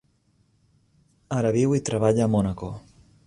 Ara viu i treballa a Mònaco.